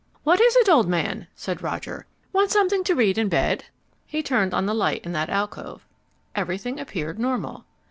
"What is it, old man?" said Roger. "Want something to read in bed?" He turned on the light in that alcove. Everything appeared normal.